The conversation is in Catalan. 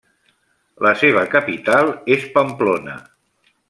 La seva capital és Pamplona.